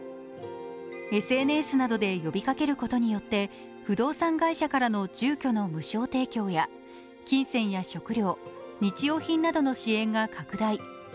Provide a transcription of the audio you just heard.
ＳＮＳなどで呼びかけることによって不動産会社からの住居の無償提供や金銭や食料、日用品などの支援が拡大。